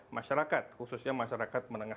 masyarakat khususnya masyarakat menengah